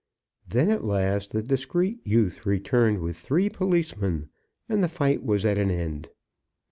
Then, at last, the discreet youth returned with three policemen, and the fight was at an end.